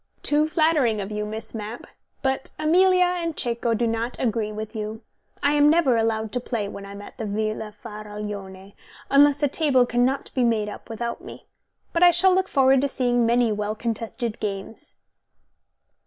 "Too flattering of you, Miss Mapp. But Amelia and Cecco do not agree with you. I am never allowed to play when I am at the Villa Faraglione, unless a table cannot be made up without me. But I shall look forward to seeing many well contested games."